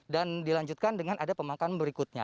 dan dilanjutkan dengan ada pemakan berikutnya